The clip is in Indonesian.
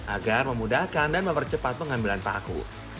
agar memudahkan dan mempercepat pengambilan paku